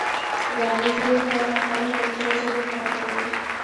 • د علیزي قوم خلک پر خپله ژبه فخر کوي.